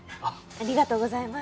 ありがとうございます。